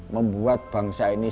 membuat bangsa ini